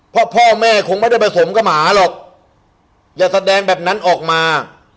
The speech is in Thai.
พ่อแม่คงไม่ได้ผสมกับหมาหรอกอย่าแสดงแบบนั้นออกมา